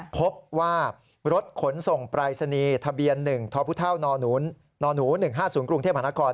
พบว่ารถขนส่งปรายศนีย์ทะเบียน๑ทพนหนู๑๕๐กรุงเทพมหานคร